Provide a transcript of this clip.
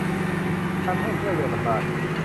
การท่องเที่ยวเรือสำราญ